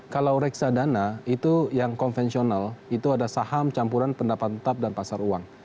kalau reksadana itu yang konvensional itu ada saham campuran pendapat tetap dan pasar uang